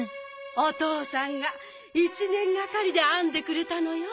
おとうさんが１ねんがかりであんでくれたのよ。